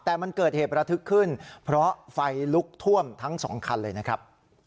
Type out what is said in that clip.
แต่มันเกิดเหตุระทึกขึ้นเพราะไฟลุกท่วมทั้งสองคันเลยนะครับ